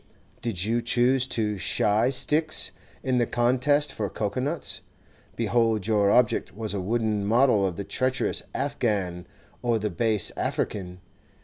Did you choose to 'shy' sticks in the contest for cocoa nuts, behold your object was a wooden model of the treacherous Afghan or the base African.